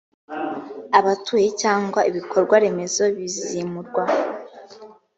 abatuye cyangwa ibikorwa remezo bizimurwa